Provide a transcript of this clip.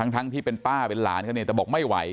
ทั้งที่เป็นป้าเป็นหลานเขาเนี่ยแต่บอกไม่ไหว